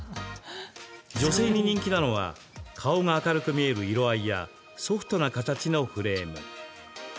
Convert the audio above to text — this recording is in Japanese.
女性に人気なのは顔が明るく見える色合いやソフトな形のフレーム。